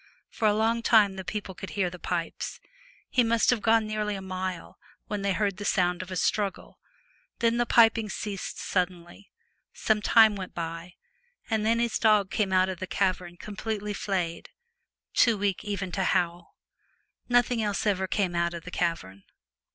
For a long time the people could hear the pipes. He must have gone nearly a mile, when they heard the sound of a struggle. Then the piping ceased suddenly. Some time went by, and then his dog came out of the cavern completely flayed, too weak even to howl. Nothing else ever came out of the cavern.